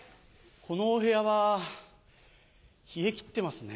このお部屋は冷え切ってますね。